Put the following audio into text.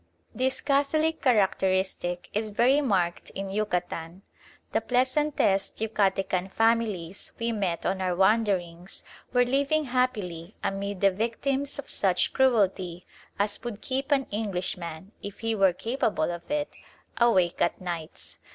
This Catholic characteristic is very marked in Yucatan. The pleasantest Yucatecan families we met on our wanderings were living happily amid the victims of such cruelty as would keep an Englishman, if he were capable of it, awake at nights.